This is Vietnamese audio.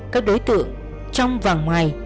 các đối tượng trong và ngoài